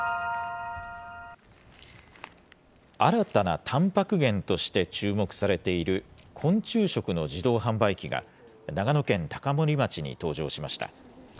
新たなたんぱく源として注目されている昆虫食の自動販売機が、長野県高森町に登場しました。